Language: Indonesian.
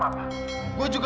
gua juga gak ngerti apa apa